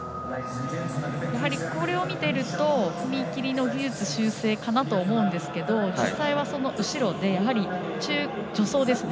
やはりこれを見ていると踏み切りの技術修正かなと思うんですけど実際にはその後ろで助走ですね。